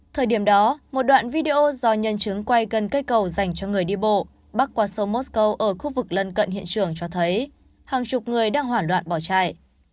thời điểm đó một đoạn video do nhân chứng quay gần cây cầu dành cho người đi bộ bắc qua sông mosco ở khu vực lân cận hiện trường cho thấy hàng chục người đang hoảng loạn bỏ chạy